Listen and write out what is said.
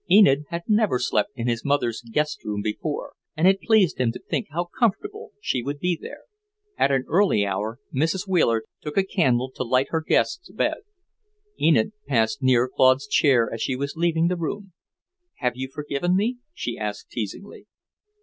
Enid had never slept in his mother's guest room before, and it pleased him to think how comfortable she would be there. At an early hour Mrs. Wheeler took a candle to light her guest to bed; Enid passed near Claude's chair as she was leaving the room. "Have you forgiven me?" she asked teasingly.